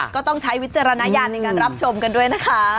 ก็ต้องใช้วิจารณญาณในการรับชมกันด้วยนะคะ